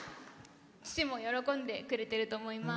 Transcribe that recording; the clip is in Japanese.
父も喜んでくれてると思います。